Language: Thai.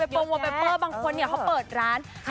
ว่าไปพรมว่าไปเปิ้ลบางคนเนี้ยเขาเปิดร้านค่ะ